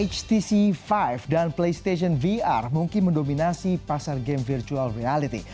htc lima dan playstation vr mungkin mendominasi pasar game virtual reality